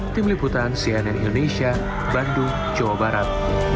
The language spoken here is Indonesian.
tim liputan cnn indonesia bandung jawa barat